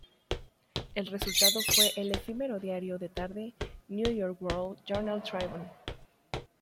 El resultado fue el efímero diario de tarde "New York World Journal Tribune".